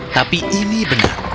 tapi ini benar